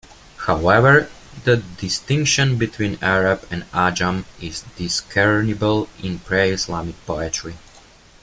However, the distinction between Arab and Ajam is discernible in pre-Islamic poetry.